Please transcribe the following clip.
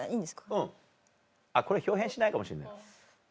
うんこれ豹変しないかもしんない。